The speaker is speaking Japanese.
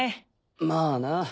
まあな。